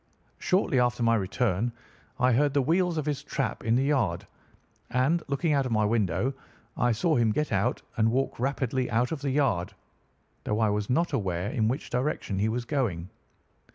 Shortly after my return I heard the wheels of his trap in the yard, and, looking out of my window, I saw him get out and walk rapidly out of the yard, though I was not aware in which direction he was going.